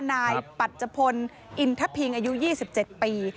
นายปัจจพลอินทพิงอายุ๒๗ปี